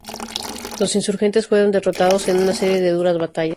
Los insurgentes fueron derrotados en una serie de duras batallas.